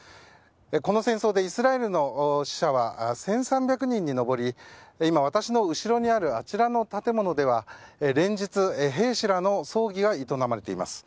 この戦争でイスラエルの死者は１３００人に上り今、私の後ろにあるあちらの建物では連日、兵士らの葬儀が営まれています。